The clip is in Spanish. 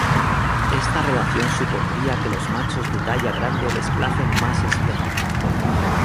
Esta relación supondría que los machos de talla grande desplacen más esperma.